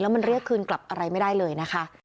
มันเรียกคืนกลับอะไรไม่ได้เลยนะคะ